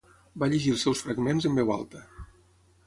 Va llegir els seus fragments en veu alta.